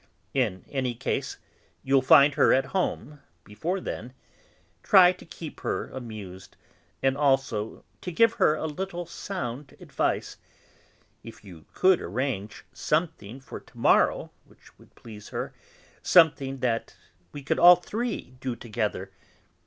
In any case, you'll find her at home before then. Try to keep her amused, and also to give her a little sound advice. If you could arrange something for to morrow which would please her, something that we could all three do together.